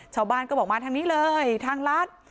ชาวบ้านก็บอกมาทางนี้เลยทางรัฐ